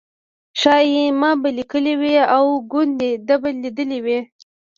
شایي ما به لیکلي وي او ګوندې ده به لیدلي وي.